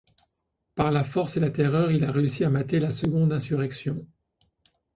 Par la force et la terreur, il a réussi à mater la seconde insurrection.